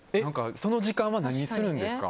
その時間は何をするんですか？